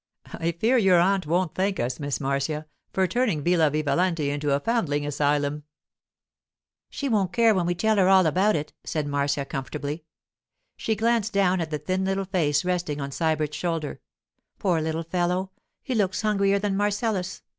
'I fear your aunt won't thank us, Miss Marcia, for turning Villa Vivalanti into a foundling asylum.' 'She won't care when we tell her about it,' said Marcia, comfortably. She glanced down at the thin little face resting on Sybert's shoulder. 'Poor little fellow! He looks hungrier than Marcellus.